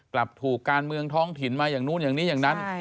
กลับถูกการเมืองท้องถิ่นมาอย่างนู้นอย่างนี้อย่างนั้น